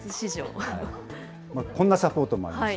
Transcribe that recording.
こんなサポートもあります。